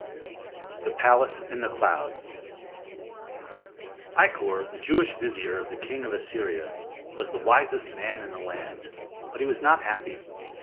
] The Palace in the Clouds Ikkor, the Jewish vizier of the king of Assyria, was the wisest man in the land, but he was not happy.